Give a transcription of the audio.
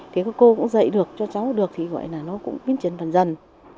cái cô cũng dạy được cho cháu được thì gọi là nó cũng biến chiến phần dần